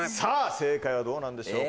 正解はどうなんでしょう？